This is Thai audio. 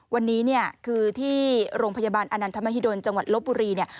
วันนี้เนี่ยคือที่โรงพยาบาลอนันทมหิดลจังหวัดลบบุรีเนี่ย